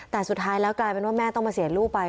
แต่สุดท้ายแล้วกลายเป็นว่าแม่ต้องมาเสียลูกไป